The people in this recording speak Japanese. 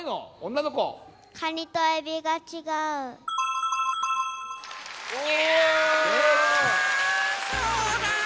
カニとエビがちがう。